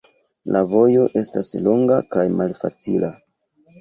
La vojo estas longa kaj malfacila.